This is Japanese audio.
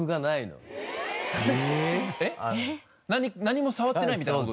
何も触ってないみたいな事？